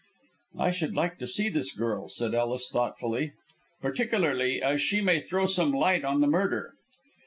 "I should like to see this girl," said Ellis, thoughtfully, "particularly as she may throw some light on the murder.